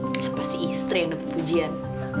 kan pasti istri yang dapet pujian